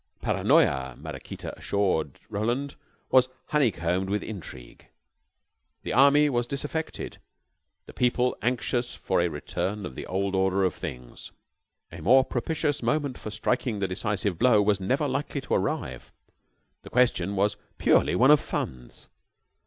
Paranoya, Maraquita assured Roland, was honeycombed with intrigue. The army was disaffected, the people anxious for a return to the old order of things. A more propitious moment for striking the decisive blow was never likely to arrive. The question was purely one of funds.